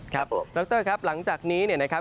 ครับผมดรครับหลังจากนี้เนี่ยนะครับ